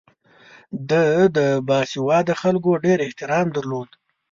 ده د باسواده خلکو ډېر احترام درلود.